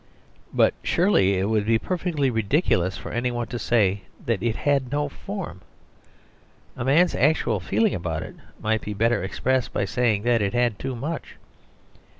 But surely it would be perfectly ridiculous for any one to say that it had no form. A man's actual feelings about it might be better expressed by saying that it had too much.